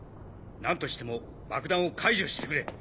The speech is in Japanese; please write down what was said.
何としても爆弾を解除してくれ。